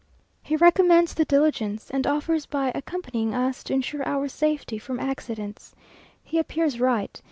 He recommends the diligence, and offers, by accompanying us, to ensure our safety from accidents. He appears right.